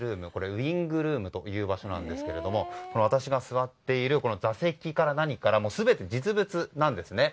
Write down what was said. ウイングルームという場所なんですが私が座っている座席から何から全て実物なんです。